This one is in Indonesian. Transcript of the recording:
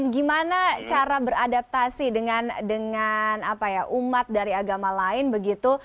gimana cara beradaptasi dengan umat dari agama lain begitu